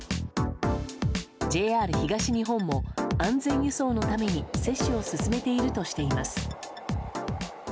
ＪＲ東日本も安全輸送のために接種を進めているとしています。